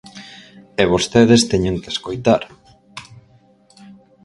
E vostedes teñen que escoitar.